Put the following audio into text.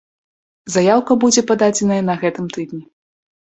Заяўка будзе пададзеная на гэтым тыдні.